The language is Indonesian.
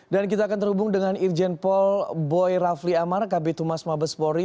dan kita akan terhubung dengan irjen pol boy rafli amar kb tumas mabespori